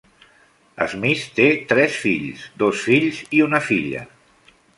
Smith té tres fills, dos fills i una filla.